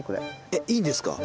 えっいいんですか？